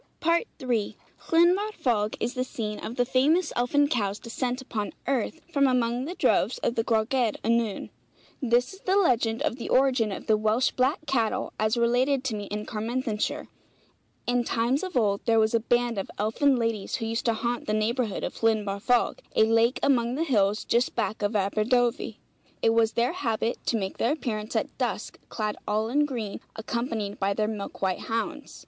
III. Llyn Barfog is the scene of the famous elfin cow's descent upon earth, from among the droves of the Gwragedd Annwn. This is the legend of the origin of the Welsh black cattle, as related to me in Carmarthenshire: In times of old there was a band of elfin ladies who used to haunt the neighbourhood of Llyn Barfog, a lake among the hills just back of Aberdovey. It was their habit to make their appearance at dusk clad all in green, accompanied by their milk white hounds.